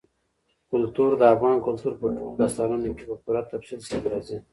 کلتور د افغان کلتور په ټولو داستانونو کې په پوره تفصیل سره راځي.